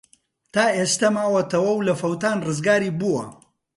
تا ئێستە ماوەتەوە و لە فەوتان ڕزگاری بووە.